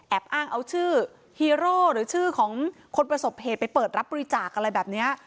อ้างเอาชื่อฮีโร่หรือชื่อของคนประสบเหตุไปเปิดรับบริจาคอะไรแบบนี้